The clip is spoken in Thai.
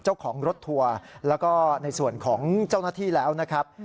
เจ้าของรถทัวร์แล้วก็ในส่วนของเจ้าหน้าที่แล้วนะครับ